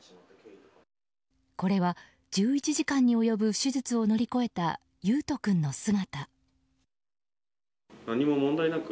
これは１１時間に及ぶ手術を乗り越えた維斗君の姿。